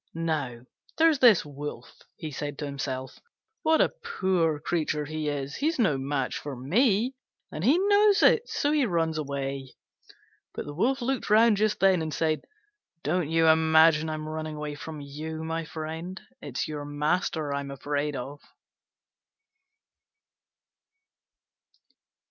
"Now, there's this Wolf," he said to himself, "what a poor creature he is: he's no match for me, and he knows it and so he runs away." But the Wolf looked round just then and said, "Don't you imagine I'm running away from you, my friend: it's your master I'm afraid of."